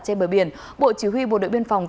trên bờ biển bộ chỉ huy bộ đội biên phòng